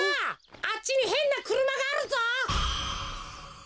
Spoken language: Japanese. あっちにへんなくるまがあるぞ！